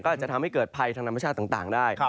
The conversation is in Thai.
อาจจะทำให้เกิดภัยทางธรรมชาติต่างได้